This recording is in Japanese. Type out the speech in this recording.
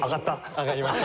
上がりました